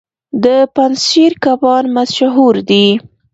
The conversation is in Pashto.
د پنجشیر کبان مشهور دي